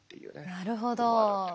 なるほど。